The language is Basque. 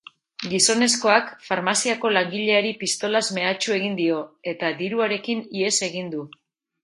Gizonezkoak farmaziako langileari pistolaz mehatxu egin dio eta diruarekin ihes egin du.